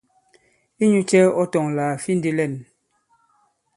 Inyūcɛ̄ ɔ tɔ̄ là à fi ndī lɛ᷇n?